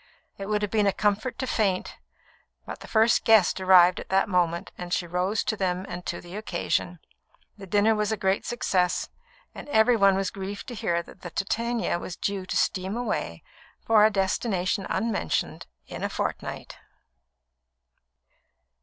It would have been a comfort to faint, but the first guest arrived at that moment, and she rose to them and to the occasion. The dinner was a great success, and every one was grieved to hear that the Titania was due to steam away for a destination unmentioned in a fortnight.